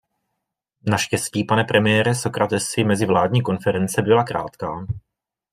Naštěstí, pane premiére Sócratesi, mezivládní konference byla krátká.